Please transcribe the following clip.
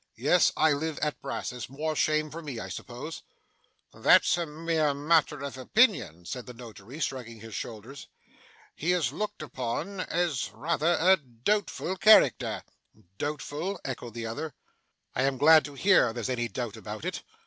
Yes, I live at Brass's more shame for me, I suppose?' 'That's a mere matter of opinion,' said the Notary, shrugging his shoulders. 'He is looked upon as rather a doubtful character.' 'Doubtful?' echoed the other. 'I am glad to hear there's any doubt about it.